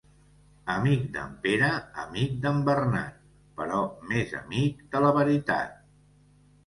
Amic d'en Pere, amic d'en Bernat, però més amic de la veritat.